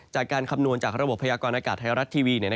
จากการคำนวลจากระบบพยากรณากาศไทยรัตร์ทีวี